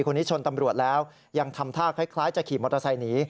คนนี้ชนตำรวจแล้วยังทำท่าคล้ายจะขี่มอเตอร์ไซค์หนี